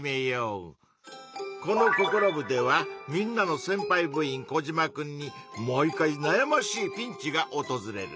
この「ココロ部！」ではみんなのせんぱい部員コジマくんに毎回なやましいピンチがおとずれる。